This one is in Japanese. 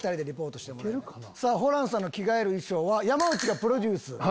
ホランさんの着替える衣装は山内がプロデュース。